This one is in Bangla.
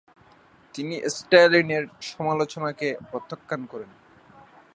তিনি স্ট্যালিনের সমালোচনাকে প্রত্যাখ্যান করেন।